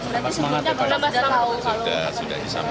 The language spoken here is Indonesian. sudah disampaikan oleh beliau